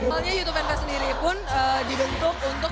halnya youtube fanfest sendiri pun dibentuk untuk